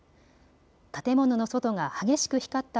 建物の外が激しく光った